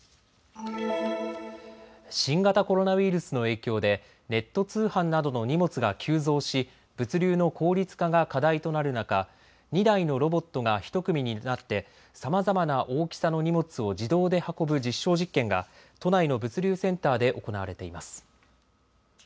新型コロナウイルスの影響でネット通販などの荷物が急増し物流の効率化が課題となる中２台のロボットが１組になってさまざまな大きさの荷物を自動で運ぶ実証実験が都内の物流センターで行われています。